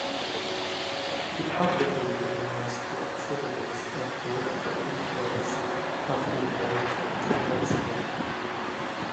He publicly denounced the activities and political influence of the American Ku Klux Klan.